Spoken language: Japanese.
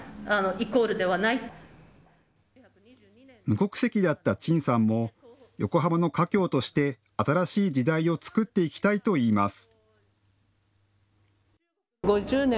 無国籍だった陳さんも横浜の華僑として新しい時代を作っていきたいといいます。